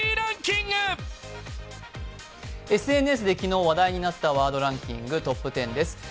ＳＮＳで昨日話題になったワードランキングトップ１０です。